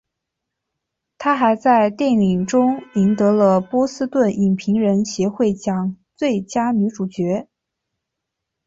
她还在电影中赢得了波士顿影评人协会奖最佳女主角。